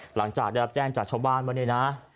หลังจากได้รับแจ้งจากชาวบ้านว่าเนี่ยนะ